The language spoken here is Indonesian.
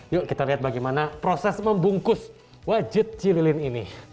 yuk kita lihat bagaimana proses membungkus wajit cililin ini